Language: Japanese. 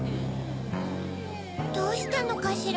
どうしたのかしら？